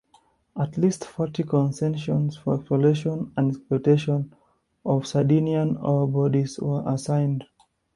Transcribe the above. At least forty concessions for exploration and exploitation of Sardinian ore bodies were assigned.